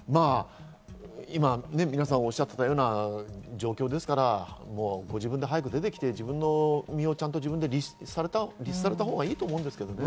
皆さん、おっしゃっていたような状況ですから、自分で早く出てきて、自分の身をちゃんと律されたほうがいいと思います。